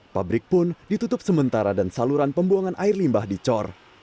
pabrik pun ditutup sementara dan saluran pembuangan air limbah dicor